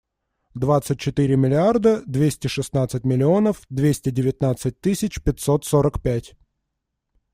Двадцать четыре миллиарда двести шестнадцать миллионов двести девятнадцать тысяч пятьсот сорок пять.